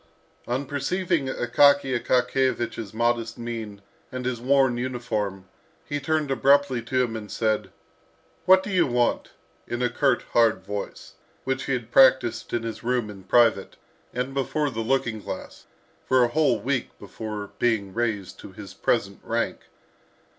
On perceiving Akaky Akakiyevich's modest mien and his worn uniform, he turned abruptly to him, and said, "What do you want?" in a curt hard voice, which he had practised in his room in private, and before the looking glass, for a whole week before being raised to his present rank.